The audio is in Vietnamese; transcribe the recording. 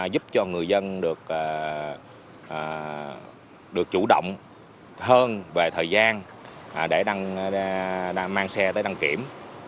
giúp cho người dân được chủ động hơn về thời gian để mang xe tới đăng kiểm